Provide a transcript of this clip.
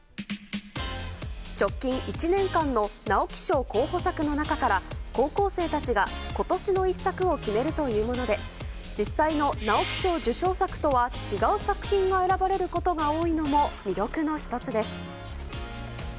直近１年間の直木賞候補作の中から高校生たちが今年の一作を決めるというもので実際の直木賞受賞作とは違う作品が選ばれることが多いのも魅力の１つです。